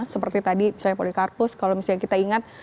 seperti tadi misalnya polikarpus kalau misalnya kita ingat